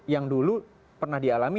yang dulu pernah dialami